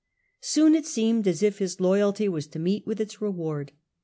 Soon it seemed as if his loyalty was to meet with its reward.